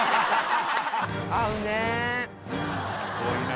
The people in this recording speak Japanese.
合うね。